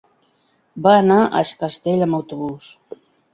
Va anar a Es Castell amb autobús.